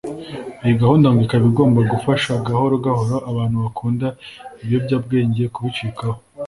Iyi gahunda ngo ikaba igomba gufasha gahoro gahoro abantu bakunda ibiyobyabwenge kubicikaho